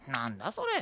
それ。